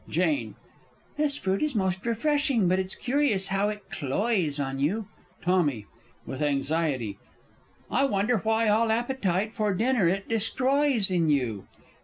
_ Jane. This fruit is most refreshing but it's curious how it cloys on you! Tommy (with anxiety). I wonder why all appetite for dinner it destroys in you!